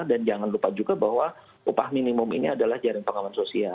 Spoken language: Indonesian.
dan jangan lupa juga bahwa upah minimum ini adalah jaring pengawasan sosial